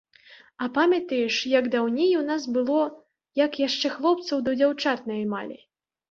А памятаеш, як даўней у нас было, як яшчэ хлопцаў ды дзяўчат наймалі?